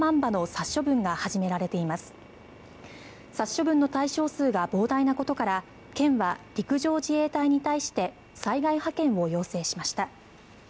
殺処分の対象数が膨大なことから県は陸上自衛隊に対して災害派遣を要請しました。